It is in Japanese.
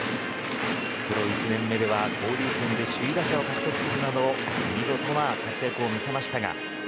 プロ１年目では交流戦で首位打者を活躍するなど見事な活躍を見せました。